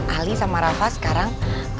ali sama rafa sekarang